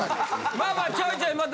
まあまあちょいちょい。